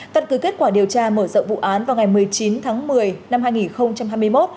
căn cứ kết quả điều tra mở rộng vụ án vào ngày một mươi chín tháng một mươi năm hai nghìn hai mươi một